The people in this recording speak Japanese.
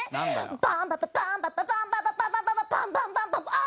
「バンバババンバババンババババババ」「バンバンバンバンバァーオ！」